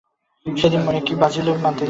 সেদিন মনে যে কী বাজিল তাহা মনই জানে।